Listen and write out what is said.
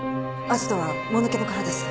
アジトはもぬけの殻です。